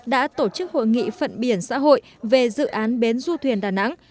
đã tổ chức hội nghị phận biển xã hội về dự án bến du thuyền đà nẵng